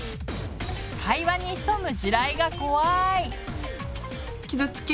会話に潜む地雷が怖い！